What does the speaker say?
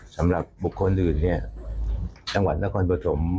สำหรับบุคคลอื่นเนี่ยจังหวัดนครปฐม